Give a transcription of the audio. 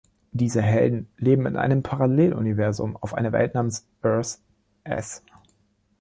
Diese Helden leben in einem Paralleluniversum auf einer Welt namens Earth-S.